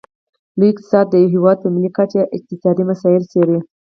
لوی اقتصاد د یو هیواد په ملي کچه اقتصادي مسایل څیړي